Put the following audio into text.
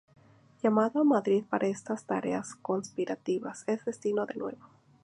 Llamado a Madrid para estas tareas conspirativas, es detenido de nuevo.